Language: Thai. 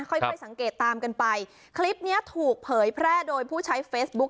ค่อยค่อยสังเกตตามกันไปคลิปเนี้ยถูกเผยแพร่โดยผู้ใช้เฟซบุ๊ค